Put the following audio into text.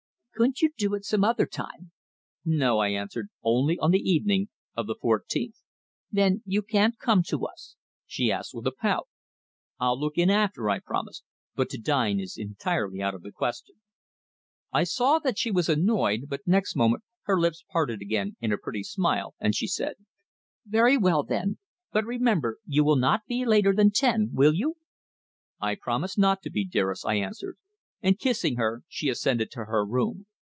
"Couldn't you do it some other time?" "No," I answered. "Only on the evening of the fourteenth." "Then you can't come to us?" she asked with a pout. "I'll look in after," I promised. "But to dine is entirely out of the question." I saw that she was annoyed, but next moment her lips parted again in a pretty smile, and she said: "Very well, then. But remember, you will not be later than ten, will you?" "I promise not to be, dearest," I answered, and kissing her, she ascended to her room.